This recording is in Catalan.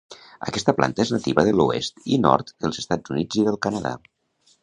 Aquesta planta és nativa de l'oest i nord dels Estats Units i del Canadà.